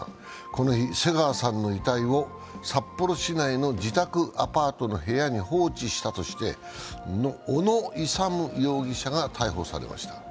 この日、瀬川さんの遺体を札幌市内の自宅アパートの部屋に放置したとして小野勇容疑者が逮捕されました。